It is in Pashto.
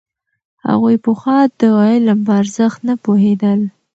هغوی پخوا د علم په ارزښت نه پوهېدل.